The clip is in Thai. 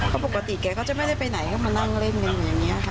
เขาปกติแกเขาจะไม่ได้ไปไหนเข้ามานั่งเล่นกันอย่างเงี้ยฮะ